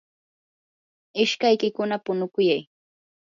ishkaykikuna punukuyay.